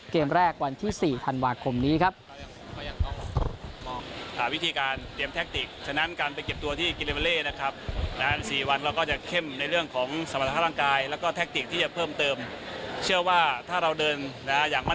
เกมแรกวันที่๔ธันวาคมนี้ครับ